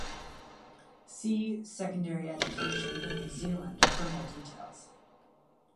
See Secondary education in New Zealand for more details.